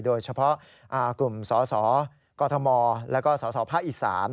โดยเฉพาะกลุ่มสสกมแล้วก็สสภาคอีสาน